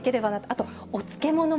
あとお漬物もね。